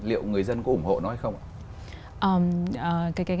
liệu người dân có ủng hộ nó hay không ạ